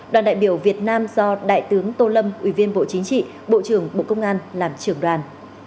đoàn đại biểu việt nam do đại tướng tô lâm ủy viên bộ chính trị bộ trưởng bộ công an làm trưởng đoàn